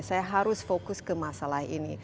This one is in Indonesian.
saya harus fokus ke masalah ini